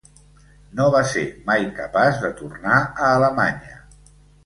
No va ser mai capaç de tornar a Alemanya.